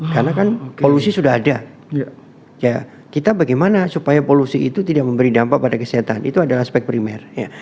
karena kan polusi sudah ada kita bagaimana supaya polusi itu tidak memberi dampak pada kesehatan itu adalah aspek primer